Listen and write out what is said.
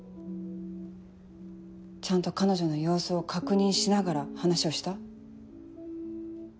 ちゃんと彼女の様子を確認しながら話をした？